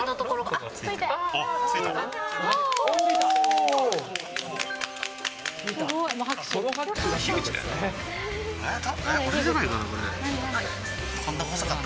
あっ、ついた。